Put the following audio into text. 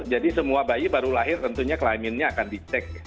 jadi semua bayi baru lahir tentunya kelaminnya akan dicek